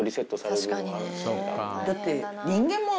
だって。